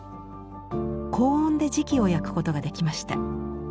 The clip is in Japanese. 高温で磁器を焼くことができました。